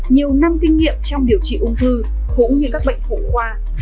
nhiều năm kinh nghiệm trong điều trị ung thư cũng như các bệnh phụ khoa